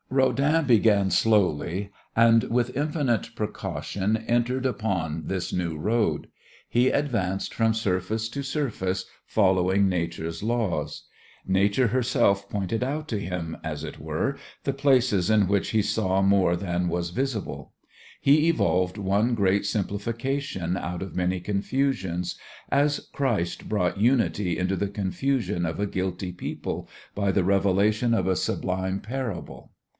Rodin began slowly and with infinite precaution entered upon this new road. He advanced from surface to surface following Nature's laws. Nature herself pointed out to him, as it were, the places in which he saw more than was visible. He evolved one great simplification out of many confusions as Christ brought unity into the confusion of a guilty people by the revelation of a sublime parable.